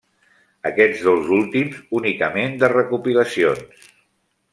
Aquests dos últims únicament de recopilacions.